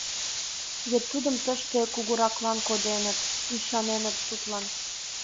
Вет тудым тыште кугураклан коденыт, ӱшаненыт тудлан.